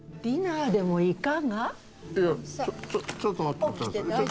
ちょっと待って下さい。